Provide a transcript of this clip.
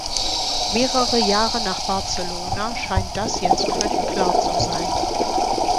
Mehrere Jahre nach Barcelona scheint das jetzt völlig klar zu sein.